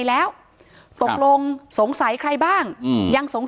ถ้าใครอยากรู้ว่าลุงพลมีโปรแกรมทำอะไรที่ไหนยังไง